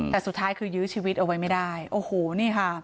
แต่สุดท้ายคือยื้อชีวิตเอาไว้ไม่ได้โอ้โหนี่ค่ะ